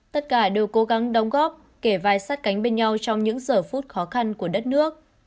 tất cả đều cố gắng đóng góp kể vai sát cánh bên nhau trong những giờ phút khó khăn của đất nước